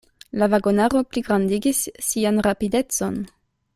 La vagonaro pligrandigis sian rapidecon.